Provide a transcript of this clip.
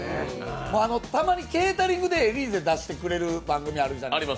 たまにケータリングでエリーゼ出してくれる番組あるじゃないですか。